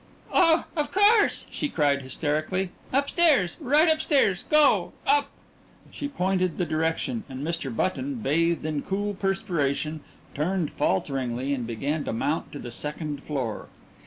"Oh of course!" she cried hysterically. "Upstairs. Right upstairs. Go up!" She pointed the direction, and Mr. Button, bathed in cool perspiration, turned falteringly, and began to mount to the second floor.